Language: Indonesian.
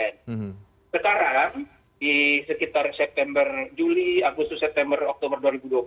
sekarang di sekitar september juli agustus september oktober dua ribu dua puluh